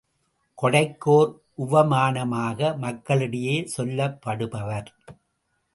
கொடைக்கு ஓர் உவமானமாக மக்களிடையே சொல்லப்படுபவர்.